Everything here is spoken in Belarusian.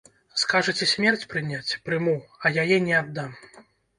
Скажыце смерць прыняць, прыму, а яе не аддам!